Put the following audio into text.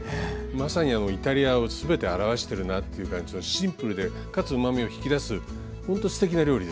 まさにイタリアを全て表してるなっていう感じのシンプルでかつうまみを引き出すほんとすてきな料理です。